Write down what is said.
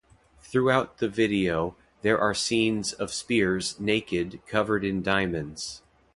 Throughout the video, there are scenes of Spears naked covered in diamonds.